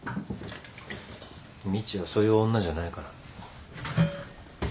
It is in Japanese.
みちはそういう女じゃないから。